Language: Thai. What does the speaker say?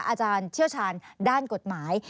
อาจารย์เชี่ยวชาญด้านกฎหมาย